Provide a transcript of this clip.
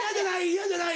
嫌じゃない？